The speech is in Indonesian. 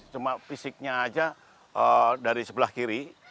cuma fisiknya aja dari sebelah kiri